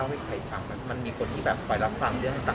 มันมีคนที่แบบคอยรับความเรื่องต่าง